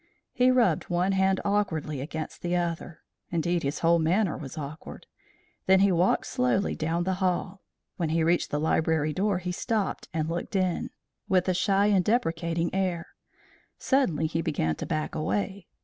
He rubbed one hand awkwardly against the other; indeed, his whole manner was awkward; then he walked slowly down the hall. When he reached the library door he stopped and looked in with a shy and deprecating air. Suddenly he began to back away.